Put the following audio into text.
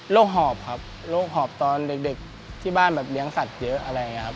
หอบครับโรคหอบตอนเด็กที่บ้านแบบเลี้ยงสัตว์เยอะอะไรอย่างนี้ครับ